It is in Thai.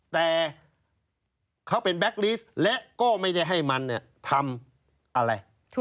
แต่เขาเป็นแบ็คลิสต์และก็ไม่ได้ให้มันทำอะไร